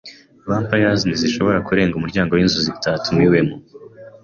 Vampires ntishobora kurenga umuryango winzu utatumiwe.